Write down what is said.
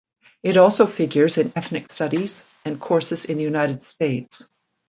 It also figures in Ethnic Studies and courses in the United States.